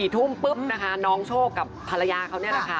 ทุ่มปุ๊บนะคะน้องโชคกับภรรยาเขานี่แหละค่ะ